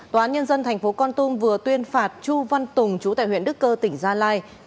tòa án nhân dân tp con tung vừa tuyên phạt chu văn tùng chủ tại huyện đức cơ tỉnh gia lai